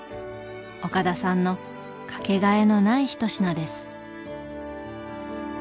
岡田さんの掛けがえのない一品です。